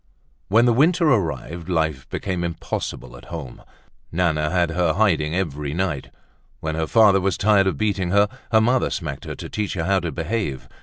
When the winter arrived, life became impossible at home. Nana had her hiding every night. When her father was tired of beating her, her mother smacked her to teach her how to behave.